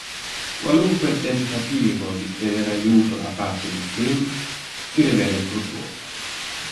Qualunque tentativo di chiedere aiuto da parte di Slim si rivela infruttuoso.